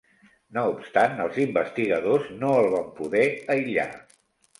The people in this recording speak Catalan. No obstant, els investigadors no el van poder aïllar.